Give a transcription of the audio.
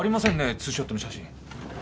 ツーショットの写真。